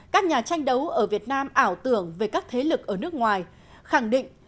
các nhà tranh đấu ở việt nam ảo tưởng về các thế lực ở nước ngoài khẳng định